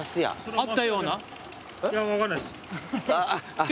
あっ！